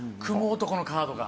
蜘蛛男のカードが？